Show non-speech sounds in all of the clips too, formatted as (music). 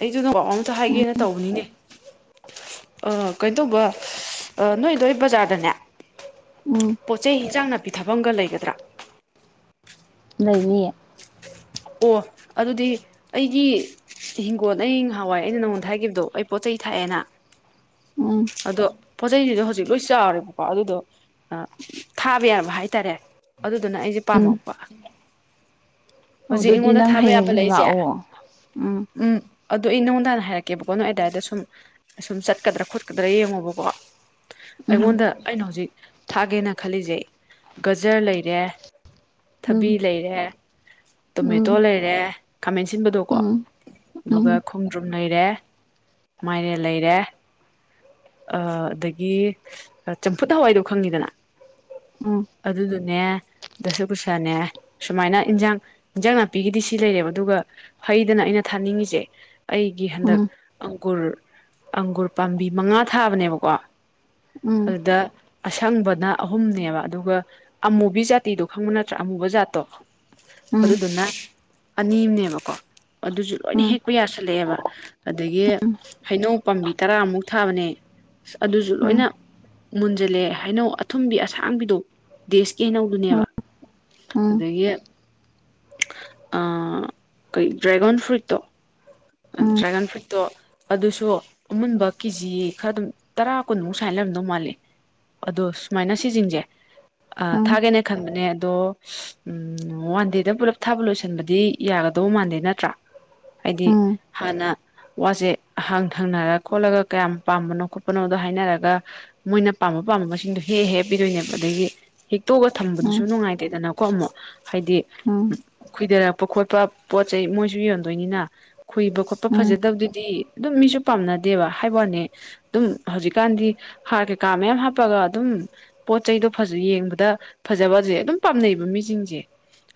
ꯑꯩꯖꯨ ꯅꯕꯥꯎ ꯑꯃꯇ ꯎꯝ ꯍꯥꯏꯒꯦꯅ ꯇꯧꯕꯅꯤꯅꯦ ꯑ ꯀꯩꯅꯣ ꯇꯧꯕ ꯅꯣꯏꯗꯣꯏ ꯕꯖꯥꯔꯗꯅꯦ ꯎꯝ ꯆ ꯍꯟꯆꯥꯡ ꯅꯥꯄꯤꯊꯐꯝꯒ ꯂꯩꯒꯗ꯭ꯔꯥ ꯅꯅꯤ ꯑꯣ ꯑꯗꯨꯗꯤ ꯑꯩꯒꯤ ꯍꯤꯡꯒꯣꯟ ꯑꯩ ꯉꯍꯥꯟꯋꯥꯏ ꯑꯩꯅ ꯅꯪꯉꯣꯟꯗ ꯍꯥꯏꯈꯤꯕꯗꯣ ꯑꯩ ꯄꯣꯠ ꯆꯩ ꯊꯥꯛꯑꯦꯅ ꯎꯝ ꯑꯗꯣ ꯄꯣꯠꯆꯩꯁꯤꯗ ꯍꯧꯖꯤꯛ ꯂꯣꯏ ꯆꯥꯔꯦꯕꯀꯣ ꯑꯗꯨꯗꯣ ꯊꯥꯕ ꯌꯥꯕ ꯍꯥꯏꯇꯥꯔꯦ ꯑꯗꯨꯗꯨꯅ ꯑꯩꯁꯦ ꯎꯝ ꯄꯥꯝꯃꯛꯄ ꯍꯧꯖꯤꯛ ꯑꯗꯨꯗꯤ ꯑꯩꯉꯣꯟꯗ ꯅꯪ ꯊꯥꯕ ꯌꯥꯕ ꯍꯌꯦꯡ ꯂꯩꯏꯁꯦ ꯂꯥꯛꯑꯣ ꯎꯝ ꯑꯗꯨꯗꯣ ꯑꯩ ꯅꯣꯡꯗꯥꯅ ꯍꯥꯏꯔꯛꯀꯦꯕꯀꯣ ꯅꯣꯏ ꯑꯗꯥꯋꯥꯏꯗ ꯁꯨꯝ ꯑꯁꯨꯝ ꯆꯠꯀꯗ꯭ꯔꯥ ꯈꯣꯠꯀꯗ꯭ꯔꯥ ꯌꯦꯡꯉꯣꯕꯀꯣ ꯎꯝ ꯑꯩꯉꯣꯟꯗ ꯑꯩꯅ ꯍꯧꯖꯤꯛ ꯊꯥꯒꯦꯅ ꯈꯜꯂꯤꯁꯦ ꯒꯖꯔ ꯂꯩꯔꯦ ꯎꯝ ꯊꯕꯤ ꯂꯩꯔꯦ ꯇꯣꯃꯦꯇꯣ ꯎꯝ ꯂꯩꯔꯦ ꯈꯥꯃꯦꯟꯁꯤꯟꯕꯗꯣꯀꯣ ꯎꯝ ꯎꯝ ꯎꯝ ꯎꯝ ꯎꯝ ꯎꯝ ꯎꯝ ꯎꯝ ꯎꯝ ꯎꯝ ꯎꯝ ꯎꯝ ꯎꯝ ꯎꯝ ꯎꯝ ꯎꯝ ꯎꯝ ꯎꯝ ꯑꯗꯨꯒꯣꯡ ꯔꯨꯝ ꯂꯩꯔꯦ ꯃꯥꯏꯔꯦꯜ ꯂꯩꯔꯦ ꯑꯗꯒꯤ ꯆꯝꯐꯨꯠ ꯍꯋꯥꯏꯗꯣ ꯈꯪꯉꯤꯗꯅ ꯎꯝ ꯑꯗꯨꯗꯨꯅꯦ ꯗꯁꯨ ꯀꯨꯁꯅꯦ ꯁꯨꯃꯥꯏꯅ ꯏꯟꯖꯥꯡ ꯏꯟꯖꯥꯡ ꯅꯥꯄꯤꯒꯤꯗꯤ ꯁꯤ ꯂꯩꯔꯦꯕ ꯑꯗꯨꯒ ꯍꯩꯗꯅ ꯑꯩꯅ ꯊꯥꯅꯤꯡꯉꯤꯁꯦ ꯑꯩꯒꯤ ꯍꯟꯗꯛ ꯑꯪꯒꯨꯔ ꯑꯪꯒꯨꯔ ꯄꯥꯝꯕꯤ ꯃꯉꯥ ꯊꯥꯕꯅꯦꯕꯀꯣ ꯑꯗꯨꯗ ꯑꯁꯪꯕꯅ ꯑꯍꯨꯝꯅꯦꯕ ꯑꯗꯨꯒ ꯑꯃꯨꯕꯤ ꯖꯥꯇꯤꯗꯣ ꯈꯪꯕ ꯅꯠꯇ꯭ꯔꯥ ꯑꯃꯨꯕ ꯖꯥꯠꯇꯣ ꯑꯗꯨꯗꯨꯅ ꯑꯅꯤ ꯑꯃꯅꯦꯕꯀꯣ ꯑꯗꯨꯁꯨ ꯂꯣꯏꯅ ꯍꯦꯛꯄ ꯌꯥꯁꯜꯂꯛꯑꯦꯕ ꯑꯗꯒꯤ ꯍꯩꯅꯧ ꯄꯥꯝꯕꯤ ꯇꯔꯥꯃꯨꯛ ꯊꯥꯕꯅꯦ ꯑ ꯑꯗꯨꯁꯨ ꯂꯣꯏꯅ ꯃꯨꯟꯖꯜꯂꯦ ꯍꯥꯏꯩꯅꯧ ꯑꯊꯨꯝꯕꯤ ꯑꯁꯥꯡꯕꯤꯗꯣ ꯗꯦꯁꯀꯤ ꯍꯩꯅꯧꯗꯨꯅꯦꯕ ꯎꯝ ꯎꯝ ꯑꯗꯒꯤ ꯀꯩ ꯗ꯭ꯔꯦꯒꯟ ꯐ꯭ꯔꯨꯏꯠꯇꯣ ꯎꯝ ꯗ꯭ꯔꯦꯒꯣꯟ ꯐ꯭ꯔꯨꯏꯠ ꯑꯗꯣ ꯑꯗꯨꯁꯨ ꯑꯃꯨꯟꯕ ꯀꯦꯖꯤ ꯈꯔ ꯑꯗꯨꯝ ꯇꯔꯥ ꯀꯨꯟꯃꯨꯛ ꯁꯨꯃꯥꯏꯅ ꯂꯩꯔꯝꯗꯧ ꯃꯥꯜꯜꯂꯤ ꯑꯗꯣ ꯁꯨꯃꯥꯏꯅ ꯁꯤꯁꯤꯡꯁꯦ ꯎꯝ ꯊꯥꯒꯦꯅꯦ ꯈꯟꯕꯅꯦ ꯑꯗꯣ ꯎꯝ ꯋꯥꯟꯗꯦꯗ ꯄꯨꯂꯞ ꯊꯥꯕ ꯂꯣꯏꯁꯟꯕꯗꯤ ꯌꯥꯒꯗꯧ ꯃꯥꯟꯗꯦ ꯅꯠꯇ꯭ꯔꯥ ꯍꯥꯏꯗꯤ ꯍꯥꯟꯅ ꯋꯥꯁꯦ ꯑꯍꯥꯡ ꯊꯪꯅꯔ ꯈꯣꯠꯂꯒ ꯀꯌꯥꯝ ꯄꯥꯝꯕꯅꯣ ꯈꯣꯠꯄꯅꯣꯗꯣ ꯍꯥꯏꯅꯔꯒ ꯃꯣꯏꯅ ꯄꯥꯝꯕ ꯄꯥꯝꯕ ꯃꯁꯤꯡꯗꯣ ꯍꯦꯛ ꯍꯦꯛ ꯍꯞꯄꯤꯗꯣꯏꯅꯦꯕ ꯑꯗꯒꯤ ꯍꯦꯛꯇꯣꯛꯑꯒ ꯊꯝꯕꯗꯨꯁꯨ ꯅꯨꯡꯉꯥꯏꯇꯦꯗꯅꯀꯣ ꯑꯃꯨꯛ ꯍꯥꯏꯗꯤ ꯑꯩꯣꯏꯗꯔꯛ ꯈꯣꯠꯄ ꯈꯣꯠꯄ ꯄꯣꯠ ꯆꯩ ꯃꯣꯏꯁꯨ ꯌꯣꯟꯗꯣꯏꯅꯤꯅ ꯈꯨꯏꯕ ꯈꯣꯠꯄ ꯐꯖꯗꯕꯗꯨꯗꯤ ꯑꯗꯨꯝ ꯃꯤꯁꯨ ꯄꯥꯝꯅꯗꯦꯕ ꯍꯥꯏꯕ ꯋꯥꯅꯦ ꯑꯗꯨꯝ ꯍꯧꯖꯤꯛꯀꯥꯟꯗꯤ ꯍꯥꯔ ꯀꯩꯀꯥ ꯃꯌꯥꯝ ꯍꯥꯞꯄꯒ ꯑꯗꯨꯝ ꯄꯣꯠ ꯆꯩꯗꯣ ꯐꯖ ꯌꯦꯡꯕꯗ ꯐꯖꯕꯁꯦ ꯑꯗꯨꯝ ꯄꯥꯝꯅꯩꯕ ꯃꯤꯁꯤꯡꯁꯦ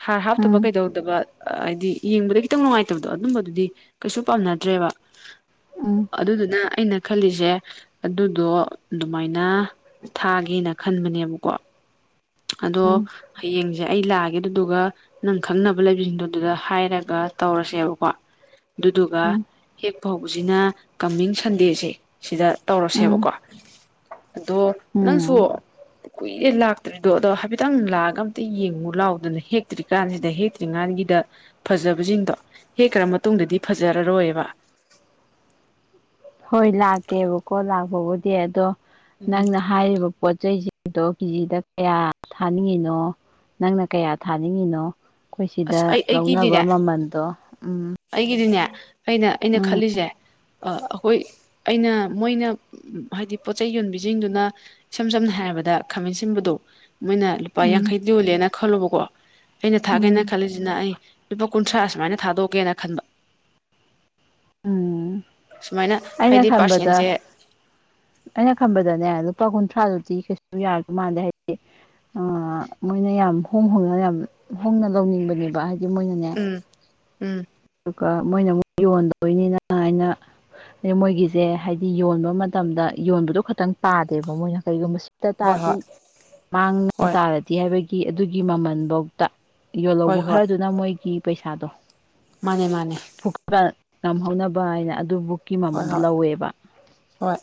ꯍꯥꯔ ꯍꯥꯞꯇꯕ ꯀꯩꯗꯧꯗꯕ ꯍꯥꯏꯗꯤ ꯌꯦꯡꯕꯗ ꯈꯤꯇꯪ ꯅꯨꯡꯉꯥꯏꯇꯕꯗꯣ ꯑꯗꯨꯝꯕꯗꯨꯗꯤ ꯀꯩꯁꯨ ꯄꯥꯝꯅꯗ꯭ꯔꯦꯕ ꯑꯗꯨꯗꯨꯅ ꯑꯩꯅ ꯈꯜꯂꯤꯁꯦ ꯑꯗꯨꯗꯣ ꯑꯗꯨꯃꯥꯏꯅ ꯊꯥꯒꯦꯅ ꯈꯟꯕꯅꯦꯕꯀꯣ ꯑꯗꯣ ꯍꯌꯦꯡꯖꯦ ꯑꯩ ꯂꯥꯛꯑꯒꯦ ꯑꯗꯨꯗꯨꯒ ꯅꯪ ꯈꯪꯅꯕ ꯂꯩꯕꯤꯁꯤꯡꯗꯣ ꯑꯗꯨꯗ ꯍꯥꯏꯔꯒ ꯇꯧꯔꯁꯦꯕꯀꯣ ꯑꯗꯨꯗꯨꯒ ꯍꯦꯛ ꯐ ꯍꯕꯁꯤꯅ ꯀꯃꯤꯡ ꯁꯟꯗꯦꯁꯦ ꯁꯤꯗ ꯇꯧꯔꯁꯦꯕꯀꯣ ꯑꯗꯣ ꯅꯪꯁꯨ ꯀꯨꯏꯔꯦ ꯂꯥꯛꯇ꯭ꯔꯤꯗꯣ ꯑꯗꯣ ꯍꯥꯏꯐꯦꯠꯇꯪ ꯂꯥꯛꯑꯒ ꯑꯝꯇ ꯌꯦꯡꯉꯨ ꯂꯥꯎꯗꯅ ꯍꯦꯛꯇ꯭ꯔꯤꯀꯥꯟꯁꯤꯗ ꯍꯦꯛꯇ꯭ꯔꯤꯀꯥꯟꯒꯤꯗ ꯐꯖꯕꯁꯤꯡꯗꯣ ꯍꯦꯛꯈ꯭ꯔ ꯃꯇꯨꯡꯗꯗꯤ ꯐꯖꯔꯔꯣꯏꯕ ꯍꯣꯏ ꯂꯥꯛꯀꯦꯕꯀꯣ ꯂꯥꯛꯄꯕꯨꯗꯤ ꯑꯗꯣ ꯅꯪꯅ ꯍꯥꯏꯔꯤꯕ ꯄꯣꯠ ꯆꯩꯁꯤꯡꯗꯣ ꯀꯦꯖꯤꯗ ꯀꯌꯥ ꯊꯥꯅꯤꯡꯉꯤꯅꯣ ꯅꯪꯅ ꯀꯌꯥ ꯊꯥꯅꯤꯡꯉꯤꯅꯣ ꯑꯩꯈꯣꯏ ꯁꯤꯗ ꯑꯁ ꯑꯩ ꯂꯧꯅꯕ ꯑꯩꯒꯤꯗꯤꯅꯦ ꯃꯃꯟꯗꯣ ꯎꯝ ꯑꯩꯒꯤꯗꯤꯅꯦ ꯑꯩꯅ ꯑꯩꯅ ꯎꯝ ꯈꯜꯂꯤꯁꯦ ꯑꯩꯈꯣꯏ ꯑꯩꯅ ꯃꯣꯏꯅ ꯍꯥꯏꯗꯤ ꯄꯣꯠꯆꯩ ꯌꯣꯟꯕꯤꯁꯤꯡꯗꯨꯅ ꯏꯁꯝ ꯁꯝꯅ ꯍꯥꯏꯔꯕꯗ ꯈꯥꯃꯦꯟ ꯁꯤꯟꯕꯗ ꯃꯣꯏꯅ ꯂꯨꯄꯥ ꯎꯝ ꯌꯥꯡꯈꯩ ꯌꯣꯜꯂꯦꯅ ꯈꯜꯂꯨꯕꯀꯣ ꯑꯩꯅ ꯊꯥꯒꯦꯅ ꯎꯝ ꯈꯜꯂꯤꯁꯤꯅ ꯑꯩ ꯂꯨꯄꯥ ꯀꯨꯟꯊ꯭ꯔꯥ ꯁꯨꯃꯥꯏꯅ ꯊꯥꯗꯣꯛꯀꯦꯅ ꯈꯟꯕ ꯎꯝ ꯁꯨꯃꯥꯏꯅ ꯑꯩꯅ ꯍꯥꯏꯗꯤ ꯈꯟꯕꯗ ꯄꯥꯔꯁꯦꯟꯁꯦ ꯑꯩꯅ ꯈꯟꯝꯕꯗꯅꯦ ꯂꯨꯄꯥ ꯀꯨꯟꯊ꯭ꯔꯥꯗꯨꯗꯤꯤ ꯀꯩꯁꯨ ꯌꯥꯔꯗꯦ ꯃꯥꯟꯗꯦ ꯍꯥꯏꯗꯤ ꯃꯣꯏꯅ ꯌꯥꯝ ꯍꯣꯡ ꯍꯣꯡꯅ ꯌꯥꯝ ꯍꯣꯡꯅ ꯂꯧꯅꯤꯡꯕꯅꯦꯕ ꯍꯥꯏꯗꯤ ꯃꯣꯏꯅꯅꯦ ꯎꯝ ꯎꯝ ꯑꯗꯨꯒ ꯃꯣꯏꯅ ꯑꯃꯨꯛ ꯌꯣꯟꯗꯣꯏꯅꯤꯅ ꯑꯩꯅ ꯑ ꯃꯣꯏꯒꯤꯁꯦ ꯍꯥꯏꯗꯤ ꯌꯣꯟꯕ ꯃꯇꯝꯗ ꯌꯣꯟꯕꯗꯣ ꯈꯇꯪ ꯇꯥꯗꯦꯕ ꯃꯣꯏꯅ ꯀꯔꯤꯒꯨꯝꯕ ꯇ ꯍꯣꯏ ꯍꯣꯏ ꯇꯥꯔꯗꯤ ꯃꯥꯡꯅ ꯍꯣꯏ ꯇꯥꯔꯗꯤ ꯍꯥꯏꯕꯒꯤ ꯑꯗꯨꯒꯤ ꯃꯃꯜꯐꯧ ꯇ ꯍꯣꯏ ꯌꯣꯜꯍꯧꯕ ꯍꯣꯏ ꯈꯔꯗꯨꯅ ꯃꯣꯏꯒꯤ ꯄꯩꯁꯥꯗꯣ ꯃꯥꯅꯦ ꯃꯥꯅꯦ ꯐꯨꯄ ꯉꯝꯍꯧꯅꯕ ꯍꯥꯏꯅ ꯑꯗꯨꯕꯨ ꯍꯣꯏ ꯍꯣꯏ ꯍꯣꯏ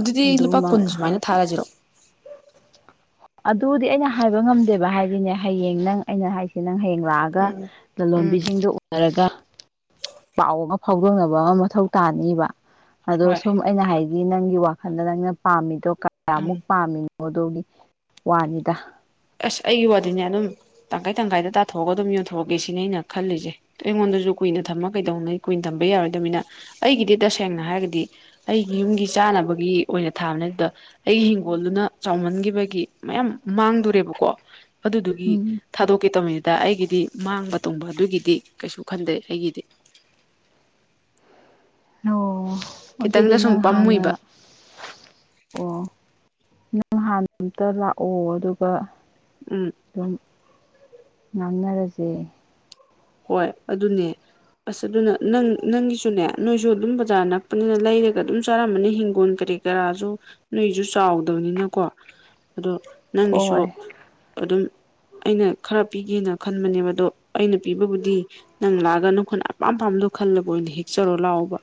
ꯑꯗꯨꯗꯤ ꯂꯨꯄꯥ ꯑꯗꯨꯃ ꯀꯨꯟ ꯁꯨꯃꯥꯏꯅ ꯊꯥꯔꯁꯤꯔꯣ ꯑꯗꯨꯗꯤ ꯑꯩꯅ ꯍꯥꯏꯕ ꯉꯝꯗꯦꯕ ꯍꯥꯏꯁꯤꯅꯦ ꯍꯌꯦꯡ ꯅꯪ ꯑꯩꯅ ꯍꯥꯏꯁꯦ ꯅꯪ ꯍꯌꯦꯡ ꯇꯧꯔꯥꯛꯑꯒ ꯎꯝ ꯎꯝ ꯂꯂꯣꯟꯕꯤꯁꯤꯡꯗꯨ ꯎꯅꯔꯒ ꯄꯥꯎ ꯑꯃ ꯐꯥꯎꯗꯣꯛꯅꯕ ꯑꯃ ꯃꯊꯧ ꯇꯥꯅꯤꯕ ꯑꯗꯣ ꯍꯣꯏ ꯁꯨꯝ ꯑꯩꯅ ꯍꯥꯏꯗꯤ ꯅꯪꯒꯤ ꯋꯥꯈꯜꯗ ꯅꯪꯅ ꯄꯥꯝꯃꯤꯗꯣ ꯎꯝ ꯀꯌꯥꯃꯨꯛ ꯄꯥꯝꯃꯤꯅ ꯑꯣꯒꯤ ꯋꯥꯅꯤꯗ ꯑꯁ ꯑꯩꯒꯤ ꯋꯥꯗꯤꯅꯦ ꯑꯗꯨꯝ ꯇꯪꯈꯥꯏ ꯇꯪꯈꯥꯏꯗ ꯇꯥꯊꯣꯛꯑꯒ ꯑꯗꯨꯝ ꯌꯣꯟꯊꯣꯛꯑꯒꯦ ꯁꯤꯅꯦ ꯑꯩꯅ ꯈꯜꯂꯤꯁꯦ ꯑꯩꯉꯣꯟꯗꯁꯨ ꯀꯨꯏꯅ ꯊꯝꯃ ꯀꯩꯗꯧꯅꯩ ꯀꯨꯏꯅ ꯊꯝꯕ ꯌꯥꯔꯣꯏꯗꯝꯅꯤꯅ ꯑꯩꯒꯤꯗꯤ ꯇꯁꯦꯡꯅ ꯍꯥꯏꯔꯒꯗꯤ ꯑꯩꯒꯤ ꯌꯨꯝꯒꯤ ꯆꯥꯅꯕꯒꯤ ꯑꯣꯏꯅ ꯊꯥꯕꯅꯦ ꯑꯗꯨꯗ ꯑꯩꯒꯤ ꯍꯤꯡꯒꯣꯜꯗꯨꯅ ꯆꯥꯎꯃꯟꯈꯤꯕꯒꯤ ꯃꯌꯥꯝ ꯃꯥꯡꯗꯣꯔꯦꯕ ꯀꯣ ꯑꯗꯨꯗꯨꯒꯤ ꯎꯝ ꯊꯥꯗꯣꯛꯀꯦ ꯇꯝꯃꯦ ꯑ ꯗ ꯑꯩꯒꯤꯗꯤ ꯃꯥꯡꯕ ꯇꯣꯡꯕ ꯑꯗꯨꯒꯤꯗꯤ ꯀꯩꯁꯨ ꯈꯟꯗꯦ ꯑꯩꯒꯤꯗꯤ ꯑꯣ ꯈꯤꯇꯪꯗ ꯑꯗꯨꯗꯤ ꯁꯨꯝ ꯅꯪ ꯍꯥꯟꯅ ꯄꯥꯝꯃꯨꯏꯕ ꯑꯣ ꯅꯪ ꯍꯥꯟꯅ ꯑꯝꯇ ꯂꯥꯛꯑꯣ ꯑꯗꯨꯒ ꯎꯝ ꯑꯗꯨꯝ ꯉꯥꯡꯅꯔꯁꯦ ꯍꯣꯏ ꯑꯗꯨꯅꯦ ꯑꯁ ꯑꯗꯨꯅ ꯅꯪ ꯅꯪꯒꯤꯁꯨꯅꯦ ꯅꯣꯏꯁꯨ ꯑꯗꯨꯝ ꯕꯖꯥꯔ ꯅꯛꯄꯅꯤꯅ ꯂꯩꯔꯒ ꯑꯗꯨꯝ ꯆꯥꯔꯝꯕꯅꯤ ꯍꯤꯡꯒꯣꯟ ꯀꯔꯤ ꯀ ꯀꯔꯥꯁꯨ ꯅꯣꯏꯁꯨ ꯆꯥꯎꯗꯕꯅꯤꯅꯀꯣ ꯑꯗꯣ ꯅꯪꯒꯤꯁꯨ ꯍꯣꯏ ꯑꯗꯨꯝ ꯑꯩꯅ ꯈꯔ ꯄꯤꯒꯦꯅ ꯈꯟꯕꯅꯦꯕ ꯑꯗꯣ ꯑꯩꯅ ꯄꯤꯕꯕꯨꯗꯤ ꯅꯪ ꯂꯥꯛꯑꯒ ꯅꯪꯈꯣꯏꯅ ꯑꯄꯥꯝ ꯄꯄꯥꯝꯕꯗꯣ ꯈꯜꯂꯕ ꯑꯣꯏꯅ ꯍꯦꯛꯆꯔꯣ ꯂꯥꯛꯑꯣꯕ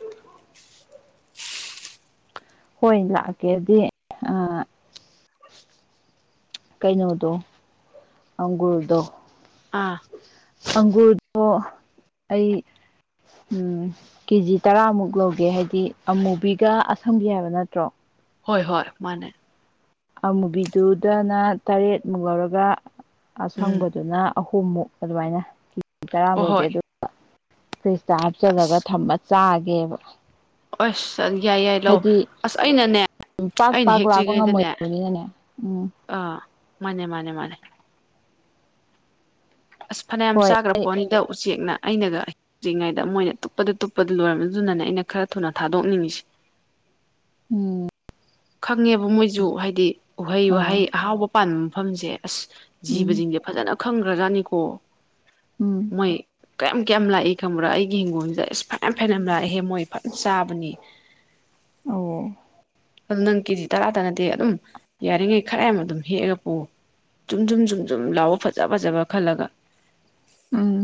ꯍꯣꯏ ꯂꯥꯛꯀꯦꯗꯤ ꯑ ꯀꯩꯅꯣꯗꯣ ꯑꯪꯒꯨꯔꯗꯣ ꯑꯥ ꯑꯪꯒꯨꯔꯗꯣ ꯑꯩ ꯎꯝ ꯀꯦꯖꯤ ꯇꯔꯥꯃꯨꯛ ꯂꯧꯒꯦ ꯍꯥꯏꯗꯤ ꯑꯃꯨꯕꯤꯒ ꯑꯁꯪꯕꯤ ꯍꯥꯏꯕ ꯅꯠꯇ꯭ꯔꯣ ꯍꯣꯏ ꯍꯣꯏ ꯃꯥꯅꯦ ꯑꯃꯨꯕꯤꯗꯨꯗꯅ ꯇꯔꯦꯠꯃꯨꯛ ꯂꯧꯔꯒ ꯎꯝ ꯑꯁꯪꯕꯗꯨꯅ ꯑꯍꯨꯝꯃꯨꯛ ꯑꯗꯨꯃꯥꯏꯅ ꯀꯦꯖꯤ ꯍꯣꯏ ꯇꯔꯥꯃꯧꯒꯤ ꯍꯣꯏ ꯑꯗꯨ ꯐ꯭ꯔꯤꯁꯇ ꯍꯥꯞꯆꯜꯂꯒ ꯑꯁ ꯊꯝꯃ ꯆꯥꯒꯦꯕ ꯑꯣꯁ ꯌꯥꯏ ꯌꯥꯏ ꯂꯥꯛꯑꯣ ꯍꯥꯏꯗꯤ ꯑꯁ ꯑꯩꯅꯅꯦ ꯄꯥꯛ ꯑꯩꯅ ꯄꯥꯛ ꯂꯥꯛꯄ ꯍꯦꯛꯇ꯭ꯔꯤꯉꯩꯗꯅꯦ ꯉꯝꯃꯣꯏꯗꯕꯅꯤꯅꯅꯦ ꯎꯝ ꯑ ꯃꯥꯅꯦ ꯃꯥꯅꯦ ꯃꯥꯅꯦ ꯑꯁ ꯐꯅꯌꯥꯝ ꯍꯣꯏ ꯆꯥꯈ꯭ꯔ ꯄꯣꯠꯅꯤꯗ ꯎꯆꯦꯛꯅ ꯑꯩꯅꯒ ꯑꯩ ꯇꯧꯗ꯭ꯔꯤꯉꯩꯗ ꯃꯣꯏꯅ ꯇꯨꯞꯄꯗ ꯇꯨꯞꯄꯗ ꯂꯣꯏꯔꯕꯅꯤ ꯑꯗꯨꯅꯅꯦ ꯑꯩꯅ ꯈꯔ ꯊꯨꯅ ꯊꯥꯗꯣꯛꯅꯤꯡꯉꯤꯁꯦ ꯎꯝ ꯈꯪꯉꯦꯕ ꯃꯣꯏꯁꯨ ꯍꯥꯏꯗꯤ ꯎꯍꯩ ꯑꯥ ꯋꯥꯍꯩ ꯑꯍꯥꯎꯕ ꯄꯥꯟꯕ ꯃꯐꯝꯁꯦ ꯑꯁ ꯎꯝ ꯖꯤꯕꯖꯤꯡꯖꯦ ꯐꯖꯅ ꯈꯪꯒ꯭ꯔꯖꯥꯠꯅꯤꯀꯣ ꯎꯝ ꯃꯣꯏ ꯀꯌꯥꯝ ꯀꯌꯥꯝ ꯂꯥꯛꯏ ꯈꯪꯕ꯭ꯔꯥ ꯑꯩꯒꯤ ꯍꯤꯡꯒꯣꯜꯖꯤꯗ ꯑꯁ ꯐꯅꯌꯥꯝ ꯐꯅꯌꯥꯝ ꯂꯥꯛꯏꯍꯦ ꯃꯣꯏ ꯐꯖꯅ ꯆꯥꯕꯅꯤ ꯑꯧ ꯑꯗꯨ ꯅꯪ ꯀꯦꯖꯤ ꯇꯔꯥꯇ ꯅꯠꯇꯦ ꯑꯗꯨꯝ ꯌꯥꯔꯤꯉꯩ ꯈꯔ ꯌꯥꯝ ꯑꯗꯨꯝ ꯍꯦꯛꯑꯒ ꯄꯨꯑꯣ ꯖꯨꯝ ꯖꯨꯝ ꯖꯨꯝ ꯖꯨꯝ ꯂꯥꯎꯕ ꯐꯖ ꯐꯖꯕ ꯈꯜꯂꯒ ꯎꯝ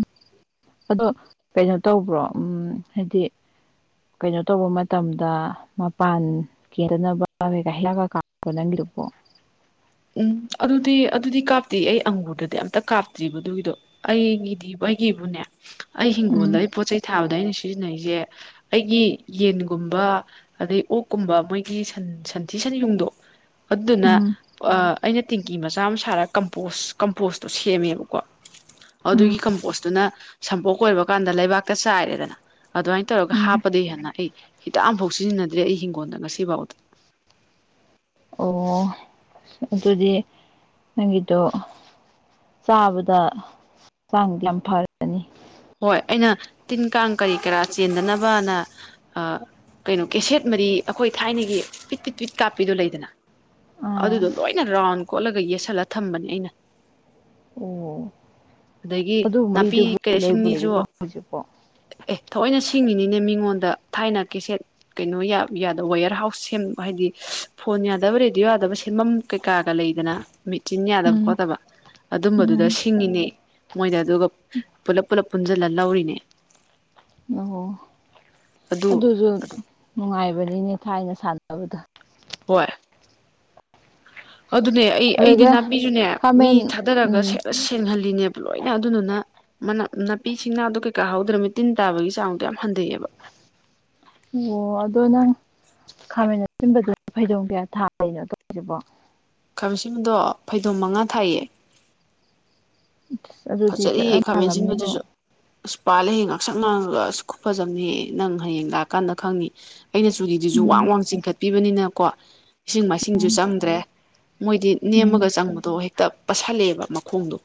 ꯑꯗꯣ ꯀꯩꯅꯣ ꯇꯧꯕ꯭ꯔꯣ ꯎꯝ ꯍꯥꯏꯗꯤ ꯀꯩꯅꯣ ꯇꯧꯕ ꯃꯇꯝꯗ ꯃꯄꯥꯟ ꯀꯦꯗꯅꯕ ꯀꯂꯒ ꯀꯥ ꯄꯣ ꯎꯝ ꯑꯗꯨꯗꯤ ꯑꯗꯨꯗꯤ ꯀꯥꯞꯇꯦ ꯑꯩ ꯑꯪꯒꯨꯔꯗꯗꯤ ꯑꯝꯇ ꯀꯥꯞꯇ꯭ꯔꯤꯕ ꯑꯗꯨꯒꯤꯗꯣ ꯑꯩꯒꯤꯗꯤꯕ ꯑꯩꯒꯤꯕꯨꯅꯦ ꯑꯩ ꯎꯝ ꯍꯤꯡꯒꯣꯜꯗ ꯑꯩ ꯄꯣꯠ-ꯆꯩꯩ ꯊꯥꯕꯗ ꯑꯩꯅ ꯁꯤꯖꯤꯟꯅꯩꯖꯦ ꯑꯩꯒꯤ ꯌꯦꯟꯒꯨꯝꯕ ꯑꯗꯩ ꯑꯣꯛꯀꯨꯝꯕ ꯃꯣꯏꯒꯤ ꯁꯟ ꯁꯟꯊꯤ ꯁꯟꯌꯨꯡꯗꯣ ꯑꯗꯨꯗꯨꯅ ꯎꯝ ꯑꯩꯅ ꯇꯦꯡꯀꯤ ꯃꯆꯥ ꯑꯃ ꯁꯥꯔꯒ ꯀꯝꯄꯣꯁ ꯀꯝꯄꯣꯁꯇꯣ ꯁꯦꯝꯃꯦꯕꯀꯣ ꯎꯝ ꯑꯗꯨꯒꯤ ꯀꯝꯄꯣꯁꯇꯨꯅ ꯁꯝꯄꯣꯛ ꯈꯣꯏꯕ ꯀꯥꯟꯗ ꯂꯩꯕꯥꯛꯇ ꯆꯥꯏꯔꯦꯗꯅ ꯑꯗꯨꯃꯥꯏꯟ ꯇꯧꯔꯒ ꯎꯝ ꯍꯥꯞꯄꯗꯩ ꯍꯦꯟꯅ ꯑꯩ ꯍꯤꯗꯥꯛ ꯑꯃꯐꯧ ꯁꯤꯖꯤꯟꯅꯗ꯭ꯔꯤ ꯑꯩ ꯍꯤꯡꯒꯣꯟꯗ ꯉꯁꯤꯐꯥꯎꯗ ꯑꯣ ꯑꯗꯨꯗꯤ ꯅꯪꯒꯤꯗꯣ ꯆꯥꯕꯗꯛ ꯆꯥꯡ ꯌꯥꯝ ꯐꯔꯦ ꯑꯅꯤ ꯍꯣꯏ ꯑꯩꯅ ꯇꯤꯟ ꯀꯥꯡ ꯀꯔꯤ ꯀꯔꯥ ꯆꯦꯟꯗꯅꯕꯅ ꯑ ꯀꯩꯅꯣ ꯀꯦꯁꯦꯠ ꯃꯔꯤ ꯑꯈꯣꯏ ꯊꯥꯏꯅꯒꯤ ꯄꯤꯠ ꯄꯤꯠ ꯄꯤꯠ ꯀꯥꯞꯄꯤꯗꯣ ꯂꯩꯗꯅ ꯑꯥ ꯑꯗꯨꯗꯣ ꯂꯣꯏꯅ ꯔꯥꯎꯟ ꯀꯣꯠꯂꯒ ꯌꯦꯁꯜꯂ ꯊꯝꯕꯅꯦ ꯑꯩꯅ ꯑꯣ ꯑꯗꯒꯤ ꯑꯗꯨꯒꯨꯝꯕ ꯅꯥꯄꯤ ꯃꯤꯗꯨꯕꯨ ꯂꯩꯕꯨ ꯀꯩꯁꯤꯡꯅꯤꯁꯨ ꯂꯩꯔꯤꯕꯣ ꯍꯧꯖꯤꯛꯄꯣ ꯑꯦ ꯊꯑꯣꯏꯅ ꯁꯤꯡꯉꯤꯅꯤꯅꯦ ꯃꯤꯉꯣꯟꯗ ꯊꯥꯏꯅ ꯀꯦꯁꯦꯠ ꯀꯩꯅꯣ ꯌꯥꯗꯕ ꯋꯦꯌꯔ ꯍꯥꯎꯁ ꯁꯦꯝ ꯍꯥꯏꯗꯤ ꯐꯣꯟ ꯌꯥꯗꯕ ꯔꯦꯗꯤꯑꯣ ꯌꯥꯗꯕ ꯁꯦꯝꯐꯝ ꯀꯩꯀꯥꯒ ꯂꯩꯗꯅ ꯃꯦꯆꯤꯟ ꯌꯥꯗꯕ ꯎꯝ ꯈꯣꯠꯇꯕ ꯑꯗꯨꯝꯕꯗꯨꯗ ꯎꯝ ꯁꯤꯡꯉꯤꯅꯦ ꯃꯣꯏꯗ ꯑꯗꯨꯒ ꯄꯨꯂꯞ ꯄꯨꯂꯞ ꯄꯨꯟꯖꯜꯂ ꯂꯧꯔꯤꯅꯦ ꯑꯣ ꯑꯗꯨ ꯑꯗꯨꯁꯨ ꯅꯨꯡꯉꯥꯏꯕꯅꯤꯅꯦ ꯊꯥꯏꯅ ꯁꯥꯟꯅꯕꯗ ꯍꯣꯏ ꯑꯗꯨꯅꯦ ꯑꯩ ꯑꯩꯗꯤ ꯑꯗꯨꯒ ꯅꯥꯄꯤꯖꯨꯅꯦ ꯃꯤ ꯈꯥꯃꯦꯟ ꯊꯥꯗꯔꯒ ꯎꯝ ꯁꯦꯡ ꯁꯦꯡꯍꯜꯂꯤꯅꯦꯕ ꯂꯣꯏꯅ ꯑꯗꯨꯗꯨꯅ ꯃ ꯅꯥꯄꯤꯁꯤꯡꯅꯥꯗ ꯀꯩꯀꯥ ꯍꯧꯗ꯭ꯔꯃꯤ ꯇꯤꯟ ꯇꯥꯕꯒꯤ ꯆꯥꯡꯗꯣ ꯌꯥꯝ ꯍꯟꯊꯩꯑꯦꯕ ꯑꯣ ꯑꯗꯣ ꯅꯪ ꯈꯥꯃꯦꯟ ꯑꯁꯤꯟꯕꯗꯨ ꯐꯩꯗꯧꯗꯦ ꯊꯥ ꯀꯩꯅꯣ ꯇꯧꯔꯤꯁꯤꯕꯣ ꯈꯥꯃꯦꯟꯁꯤꯟꯕꯗꯣ ꯐꯩꯗꯣꯝ ꯃꯉꯥ ꯊꯥꯏꯌꯦ ꯑꯁ ꯑꯗꯨꯗꯤ ꯐꯖꯔꯤꯌꯦ ꯐꯖꯅ ꯊꯥꯜꯂꯝꯅꯤꯕꯣ ꯈꯥꯃꯦꯟꯁꯤꯟꯕꯖꯤꯖꯨ ꯑꯁ ꯄꯥꯜꯂꯦꯍꯦ ꯉꯥꯛꯁꯛ ꯉꯥꯡꯉꯒ ꯑꯁ ꯈꯨꯨꯐꯖꯑꯝꯅꯤꯍꯦ ꯅꯪ ꯍꯌꯦꯡ ꯂꯥꯛꯀꯥꯟꯗ ꯈꯪꯅꯤ ꯑꯩꯅ ꯆꯨꯔꯤꯗꯨꯁꯨ ꯋꯥꯡ ꯎꯝ ꯋꯥꯡ ꯆꯤꯡꯈꯠꯄꯤꯕꯅꯤꯅꯀꯣ ꯏꯁꯤꯡ ꯃꯥꯏꯁꯤꯡꯁꯨ ꯆꯪꯗ꯭ꯔꯦ ꯃꯣꯏꯗꯤ ꯎꯝ ꯅꯦꯝꯃꯒ ꯆꯪꯕꯗꯣ ꯍꯦꯛꯇ ꯄꯁꯜꯂꯛꯑꯦꯕ ꯃꯈꯣꯡꯗꯣ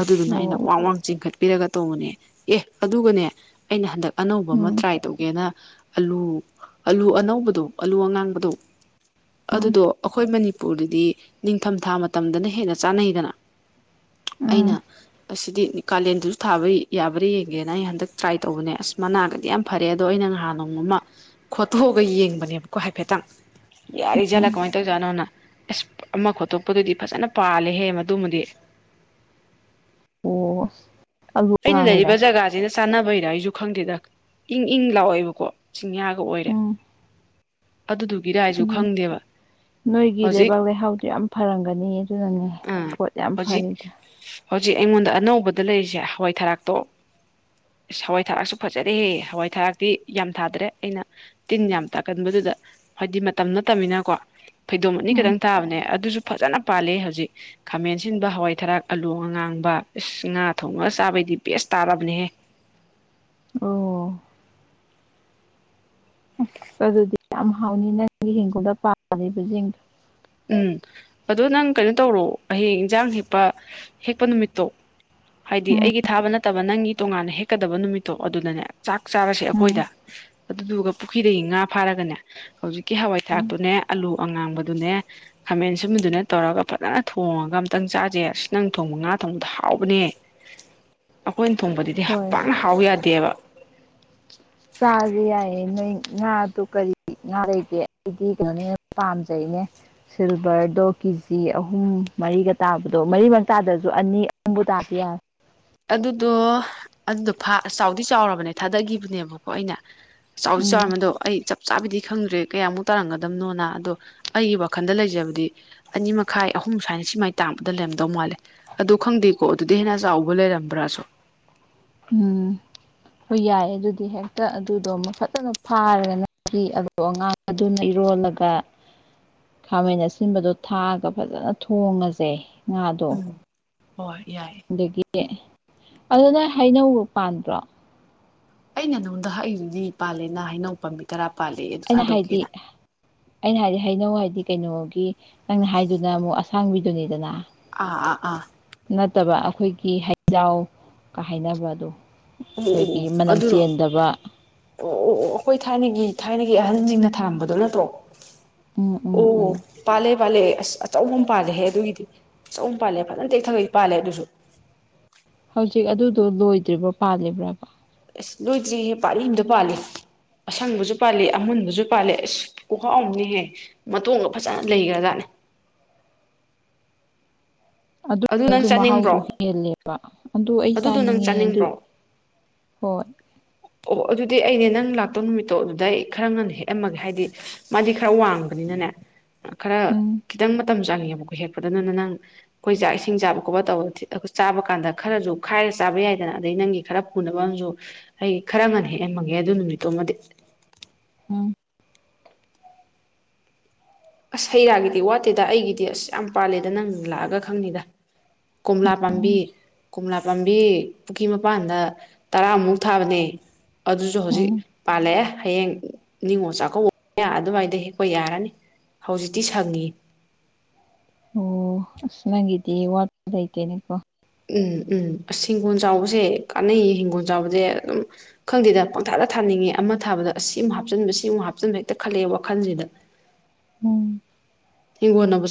ꯑꯗꯨꯗꯨꯅ ꯑꯩꯅ ꯑꯣ ꯋꯥꯡ ꯋꯥꯡ ꯆꯤꯡꯈꯠꯄꯤꯔꯒ ꯇꯣꯡꯕꯅꯦ ꯑꯦ ꯑꯗꯨꯒꯅꯦ ꯑꯩꯅ ꯍꯟꯗꯛ ꯑꯅꯧꯕ ꯑꯃ ꯎꯝ ꯇ꯭ꯔꯥꯏ ꯇꯧꯒꯦꯅ ꯑꯂꯨ ꯑꯂꯨ ꯑꯅꯧꯕꯗꯣ ꯑꯂꯨ ꯑꯉꯥꯡꯕꯗꯣ ꯎꯝ ꯑꯗꯨꯗꯣ ꯑꯈꯣꯏ ꯃꯅꯤꯄꯨꯔꯗꯗꯤ ꯅꯤꯡꯊꯝꯊꯥ ꯃꯇꯝꯗꯅ ꯍꯦꯟꯅ ꯆꯥꯅꯩꯗꯅ ꯎꯝ ꯑꯩꯅ ꯑꯁꯤꯗꯤ ꯀꯥꯂꯦꯟꯗꯖꯨ ꯊꯥꯕ ꯌꯥꯕ꯭ꯔꯥ ꯌꯦꯡꯒꯦꯅ ꯑꯩ ꯍꯟꯗꯛ ꯇ꯭ꯔꯥꯏ ꯇꯧꯕꯅꯦ ꯑꯁ ꯃꯅꯥꯒꯗꯤ ꯌꯥꯝ ꯐꯔꯦ ꯑꯗꯣ ꯑꯩꯅ ꯅꯍꯥꯟ ꯅꯣꯡꯃ ꯑꯃ ꯈꯣꯠꯇꯣꯛꯑꯒ ꯌꯦꯡꯕꯅꯦꯕꯀꯣ ꯍꯥꯏꯐꯦꯠꯇꯪ ꯌꯥꯔ ꯏꯖꯂ ꯀꯥꯏ ꯇꯧ ꯅꯣꯅ ꯑꯦꯁ ꯑꯃ ꯈꯣꯠꯇꯣꯛꯄꯗꯨꯗꯤ ꯐꯖꯅ ꯄꯥꯜꯂꯦꯍꯦ ꯃꯗꯨꯃꯗꯤ ꯄꯁ ꯑꯩꯅ ꯂꯩꯔꯤꯕ ꯖꯒꯥꯁꯤꯅ ꯆꯥꯅꯕꯩꯗ ꯑꯩꯁꯨ ꯈꯪꯗꯦꯗ ꯏꯪ ꯏꯪ ꯂꯥꯛꯑꯣꯦꯕꯀꯣ ꯆꯤꯡꯌꯥꯒ ꯑꯣꯏꯔꯦ ꯎꯝ ꯑꯗꯨꯗꯨꯒꯤꯗ ꯑꯩꯁꯨ ꯎꯝ ꯈꯪꯗꯦꯕ ꯅꯣꯏꯒꯤ ꯍꯧꯖꯤꯛ ꯂꯩꯕꯥꯛ ꯂꯩꯍꯥꯎꯗꯨꯣ ꯌꯥꯝ ꯐꯔꯝꯒꯅꯤ ꯑꯗꯨꯅꯅꯦ ꯑꯥ ꯄꯣꯠ ꯌꯥꯝ ꯍꯧꯖꯤꯛ ꯐꯔꯦꯗ ꯍꯧꯖꯤꯛ ꯑꯩꯉꯣꯟꯗ ꯑꯅꯧꯕꯗ ꯂꯩꯔꯤꯖꯦ ꯍꯋꯥꯏ ꯊꯔꯥꯛꯇꯣ ꯑꯁ ꯍꯋꯥꯏ ꯊꯔꯥꯛꯁꯨ ꯐꯖꯔꯦꯍꯦ ꯍꯋꯥꯏ ꯊꯔꯥꯛꯇꯤ ꯌꯥꯝ ꯊꯥꯗ꯭ꯔꯦ ꯑꯩꯅ ꯇꯤꯟ ꯌꯥꯝ ꯇꯥꯛꯀꯟꯕꯗꯨꯗ ꯍꯥꯏꯗꯤ ꯃꯇꯝ ꯅꯠꯇꯕꯅꯤꯅꯀꯣ ꯐꯩꯗꯣꯝ ꯑꯅꯤ ꯎꯝ ꯈꯛꯇꯪ ꯊꯥꯕꯅꯦ ꯑꯗꯨꯖꯨ ꯐꯖꯅ ꯄꯥꯜꯂꯦ ꯍꯧꯖꯤꯛ ꯈꯥꯃꯦꯟꯁꯤꯟꯕ ꯍꯋꯥꯏꯊꯔꯥꯛ ꯑꯥꯂꯨ ꯑꯉꯥꯡꯕ ꯏꯁ ꯉꯥ ꯊꯣꯡꯕꯒ ꯆꯥꯕꯩꯗꯤ ꯕꯦꯁ ꯇꯥꯔꯕꯅꯦꯍꯦ ꯑꯣ ꯑꯗꯨꯗꯤ ꯌꯥꯝ ꯍꯥꯎꯅꯤ ꯅꯪꯒꯤ ꯍꯤꯡꯒꯣꯜꯗ ꯄꯥꯂꯤꯕꯖꯤꯡꯗꯣ ꯎꯝ ꯑꯗꯣ ꯅꯪ ꯀꯩꯅꯣ ꯇꯧꯔꯣ ꯍꯌꯦꯡ ꯏꯟꯖꯥꯡ ꯍꯦꯛꯄ ꯍꯦꯛꯄ ꯅꯨꯃꯤꯠꯇꯣ ꯍꯥꯏꯗꯤ ꯎꯝ ꯑꯩꯒꯤ ꯊꯥꯕ ꯅꯠꯇꯕ ꯅꯪꯒꯤ ꯇꯣꯉꯥꯟꯅ ꯍꯦꯛꯀꯗꯕ ꯅꯨꯃꯤꯠꯇꯣ ꯑꯗꯨꯗꯅꯦ ꯆꯥꯛ ꯆꯥꯔꯁꯦ ꯎꯝ ꯑꯩꯈꯣꯏꯗ ꯑꯗꯨꯗꯨꯒ ꯄꯨꯈ꯭ꯔꯤꯗꯒꯤ ꯉꯥ ꯐꯥꯔꯒꯅꯦ ꯍꯧꯖꯤꯛꯀꯤ ꯍꯋꯥꯏ ꯎꯝ ꯊꯔꯥꯛꯇꯨꯅꯦ ꯑꯂꯨ ꯑꯉꯥꯡꯕꯗꯨꯅꯦ ꯈꯥꯃꯦꯟ ꯑꯁꯤꯟꯕꯗꯨꯅꯦ ꯇꯧꯔꯒ ꯐꯖꯅ ꯊꯣꯡꯉꯒ ꯑꯝꯇꯪ ꯆꯥꯖꯦ ꯑꯁ ꯅꯪ ꯊꯣꯡꯕ ꯉꯥ ꯊꯣꯡꯕꯗꯣ ꯍꯥꯎꯕꯅꯦ ꯑꯩꯈꯣꯏꯅ ꯊꯣꯡꯕꯗꯨꯗꯤ ꯍꯣꯏ ꯄꯥꯛꯅ ꯍꯥꯎ ꯌꯥꯗꯦꯕ ꯆꯥꯥꯖꯤ ꯌꯥꯏꯌꯦ ꯅꯣꯏ ꯉꯥꯗꯣ ꯀꯔꯤ ꯉꯥꯗꯩꯗꯤ ꯎꯇꯤ ꯊꯣꯡꯕꯅ ꯍꯦꯟ ꯄꯥꯝꯖꯩꯅꯦ ꯁꯤꯜꯚꯔꯗꯣ ꯀꯦꯖꯤ ꯑꯍꯨꯝ ꯃꯔꯤꯒ ꯇꯥꯕꯗꯣ ꯃꯔꯤꯃꯛ ꯇꯥꯗ꯭ꯔꯖꯨ ꯑꯅꯤ ꯑꯍꯨꯝꯕꯨ ꯇꯥꯔꯗꯤ ꯌꯥꯔꯦ ꯑꯗꯨꯗꯣ ꯑꯗꯨꯗꯣ ꯐꯥ ꯆꯥꯎꯗꯤ ꯆꯥꯎꯔꯕꯅꯦ ꯊꯥꯗꯒꯤꯕꯅꯦꯕꯀꯣ ꯑꯩꯅ ꯎꯝ ꯆꯥꯎꯖꯨꯆꯥꯎꯔꯝ ꯑꯗꯣ ꯑꯩ ꯆꯞ ꯞ ꯆꯥꯕꯤꯗꯤ ꯈꯪꯗ꯭ꯔꯦ ꯀꯌꯥꯃꯨꯛ ꯇꯥꯔꯝꯒꯗꯕꯅꯣꯅ ꯑꯗꯣ ꯑꯩꯒꯤ ꯋꯥꯈꯟꯗ ꯂꯩꯖꯕꯗꯤ ꯑꯅꯤ ꯃꯈꯥꯏ ꯑꯍꯨꯝ ꯁꯨꯃꯥꯏꯅ ꯁꯤꯃꯥꯏ ꯇꯥꯕꯗ ꯂꯩꯝꯗꯧ ꯃꯥꯜꯂꯦ ꯑꯗꯨ ꯈꯪꯗꯦꯀꯣ ꯑꯗꯨꯗꯤ ꯍꯦꯟꯅ ꯆꯥꯎꯕ ꯕꯨ ꯂꯩꯔꯝꯗ꯭ꯔꯥꯁꯨ ꯎꯝ ꯍꯣꯏ ꯌꯥꯏꯌꯦ ꯑꯗꯨꯗꯤ ꯍꯦꯛꯇ ꯑꯗꯨꯗꯣ ꯑꯃ ꯐꯖꯅ ꯐꯥꯔꯒꯅ ꯄꯤꯑꯕ ꯑꯗꯣ ꯑꯉꯥꯡ ꯑꯗꯨꯅ ꯏꯔꯣꯜꯂꯒ (inaudible) ꯈꯥꯃꯦꯟ ꯑꯁꯤꯟꯕꯗꯣ ꯊꯥꯛꯑꯒ ꯐꯖꯅ ꯊꯣꯡꯉꯁꯦ ꯉꯥꯗꯣ ꯎꯝ ꯍꯣꯏ ꯌꯥꯏ ꯑꯗꯒꯤ ꯑꯗꯨ ꯅꯪ ꯍꯩꯅꯧ ꯄꯥꯟꯕꯥꯟꯗ꯭ꯔꯣ ꯑꯩꯅ ꯅꯉꯣꯟꯗ ꯍꯥꯏꯔꯤꯗꯨꯗꯤ ꯄꯥꯜꯂꯦꯅ ꯍꯩꯅꯧ ꯄꯥꯝꯕꯤ ꯇꯔꯥ ꯄꯥꯜꯂꯦ ꯑꯗꯨ ꯑꯩꯅ ꯍꯥꯏꯗꯤ ꯊꯥꯗꯣꯛꯀꯦꯅ ꯑꯩꯅ ꯍꯥꯏꯗꯤ ꯍꯩꯅꯧ ꯍꯥꯏꯗꯤ ꯀꯩꯅꯣꯒꯤ ꯅꯪꯅ ꯍꯥꯏꯗꯨꯅ ꯑꯃꯨꯛ ꯑ ꯁꯥꯡꯕꯤꯗꯨꯅꯤꯗꯅ ꯑꯥ ꯑꯥ ꯑꯥ ꯅꯠꯇꯕ ꯑꯈꯣꯏꯒꯤ ꯍꯩꯖꯥꯎ ꯀ ꯍꯥꯏꯅꯕꯗꯣ ꯑꯣ ꯑꯣ ꯈꯣꯏꯒꯤ ꯃꯅꯝ ꯑꯗꯨꯔꯣ ꯆꯦꯟꯗꯕ ꯑꯣ ꯑꯣ ꯑꯣ ꯑꯣ ꯑꯈꯣꯏ ꯊꯥꯏꯅꯒꯤ ꯊꯥꯏꯅꯒꯤ ꯑꯍꯟꯖꯤꯡꯅ ꯊꯥꯔꯝꯕꯗꯣ ꯅꯠꯇ꯭ꯔꯣ ꯎꯝ ꯎꯝ ꯑꯣ ꯎꯝ ꯄꯥꯜꯂꯦ ꯄꯥꯜꯂꯦ ꯑꯁ‌ ꯑꯆꯧꯕ ꯑꯝ ꯄꯥꯜꯂꯦꯍꯦ ꯑꯗꯨꯒꯤꯗꯤ ꯑꯆꯧꯕ ꯑꯝ ꯄꯥꯜꯂꯦ ꯐꯖꯅ ꯇꯦꯛꯊꯒꯩ ꯄꯥꯜꯂꯦ ꯑꯗꯨꯁꯨ ꯍꯧꯖꯤꯛ ꯑꯗꯨꯗꯣ ꯂꯣꯏꯗ꯭ꯔꯤꯕ꯭ꯔꯣ ꯄꯥꯜꯂꯤꯕ꯭ꯔꯕ ꯑꯁ ꯂꯣꯏꯗ꯭ꯔꯤꯌꯦ ꯄꯥꯜꯂꯤ ꯌꯨꯝꯗ ꯄꯥꯜꯂꯤ ꯑꯁꯪꯕꯖꯨ ꯄꯥꯜꯂꯤ ꯑꯃꯨꯟꯕꯖꯨ ꯄꯥꯜꯂꯤ ꯏꯁ ꯈꯨꯍꯥꯎꯑꯝꯅꯤꯍꯦ ꯃꯇꯣꯡꯒ ꯐꯖꯅ ꯂꯩꯒ꯭ꯔꯖꯥꯠꯅꯦ ꯑꯗꯨ ꯅꯪ ꯑꯗꯨꯗꯁꯨ ꯆꯥꯅꯤꯡꯕ꯭ꯔꯣ ꯃꯍꯥꯎꯗꯣ ꯍꯦꯜꯂꯦꯕ ꯑꯗꯨ ꯑꯩ ꯑꯗꯨꯗꯣ ꯅꯪ ꯆꯥꯅꯤꯡꯉꯦ ꯑꯗꯨ ꯆꯥꯅꯤꯡꯕ꯭ꯔꯣ ꯍꯣꯏ ꯑꯣ ꯑꯗꯨꯗꯤ ꯑꯩꯅꯦ ꯅꯪ ꯂꯥꯛꯇꯧ ꯅꯨꯃꯤꯠꯇꯣ ꯑꯗꯨꯗ ꯑꯩ ꯈꯔ ꯉꯟꯅ ꯍꯦꯛꯑꯝꯃꯒꯦ ꯍꯥꯏꯗꯤ ꯃꯥꯗꯤ ꯈꯔ ꯋꯥꯡꯕꯅꯤꯅꯅꯦ ꯈꯔ ꯎꯝ ꯈꯤꯇꯪ ꯃꯇꯝ ꯆꯪꯉꯦꯕꯀꯣ ꯍꯦꯛꯄꯗꯅꯅ ꯅꯪ ꯑꯩꯈꯣꯏ ꯆꯥꯛ ꯏꯁꯤꯡ ꯆꯥꯕ ꯈꯣꯠꯄ ꯇꯧꯕ ꯆꯥꯕ ꯀꯥꯟꯗ ꯈꯔꯁꯨ ꯈꯥꯏꯔꯒ ꯆꯥꯕ ꯌꯥꯏꯗꯅ ꯑꯗꯩ ꯅꯪꯒꯤ ꯈꯔ ꯄꯨꯅꯕ ꯑꯃꯁꯨ ꯑꯩ ꯈꯔ ꯉꯟꯅ ꯍꯦꯛꯑꯃꯒꯦ ꯑꯗꯨ ꯅꯨꯃꯤꯠꯇꯨꯃꯗꯤ ꯎꯝ ꯑꯁ ꯍꯩ ꯔꯥꯒꯤꯗꯤ ꯋꯥꯠꯇꯦꯗ ꯑꯩꯒꯤꯗꯤ ꯑꯁ ꯌꯥꯝ ꯄꯥꯜꯂꯦꯗ ꯅꯪ ꯂꯥꯛꯑꯒ ꯈꯪꯅꯤꯗ ꯀꯣꯝꯂꯥ ꯄꯥꯝꯕꯤ ꯀꯣꯝꯂꯥ ꯄꯥꯝꯕꯤ ꯄꯨꯈ꯭ꯔꯤ ꯃꯄꯥꯟꯗ ꯇꯔꯥꯃꯨꯛ ꯊꯥꯕꯅꯦ ꯑꯗꯨꯁꯨ ꯍꯧꯖꯤꯛ ꯎꯝ ꯄꯥꯜꯂꯛꯑꯦ ꯍꯌꯦꯡ ꯅꯤꯡꯉꯣꯜ ꯆꯥꯛꯀꯧꯕ ꯃꯌꯥ ꯑꯗꯨꯃꯥꯏꯗꯤ ꯍꯦꯛꯄ ꯌꯥꯔꯅꯤ ꯍꯧꯖꯤꯛꯇꯤ ꯁꯪꯉꯤ ꯑꯣ ꯅꯪꯒꯤꯗꯤ ꯋꯥꯠ ꯂꯩꯇꯦꯅꯦꯀꯣ ꯎꯝ ꯎꯝ ꯑꯁ ꯍꯤꯡꯒꯣꯜ ꯆꯥꯎꯕꯁꯦ ꯀꯥꯟꯅꯩꯌꯦ ꯍꯤꯡꯒꯣꯜ ꯆꯥꯎꯕꯁꯦ ꯑꯗꯨꯝ ꯈꯪꯗꯦꯗ ꯄꯪꯊꯥꯗ ꯊꯥꯅꯤꯡꯉꯦ ꯑꯃ ꯊꯥꯕꯗ ꯑꯁꯤ ꯑꯝ ꯍꯥꯞꯆꯤꯟꯕ ꯁꯤ ꯑꯃꯨꯛ ꯍꯥꯞꯆꯤꯟꯕ ꯍꯦꯛꯇ ꯈꯜꯂꯛꯑꯦ ꯋꯥꯈꯜꯁꯤꯗ ꯎꯝ ꯏꯒꯣꯟꯅꯕꯁꯨ